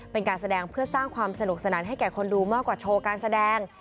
เป็นการแสดงเพื่อสร้างความสนุกสนานให้แก่คนดูมากกว่าโชว์การแสดง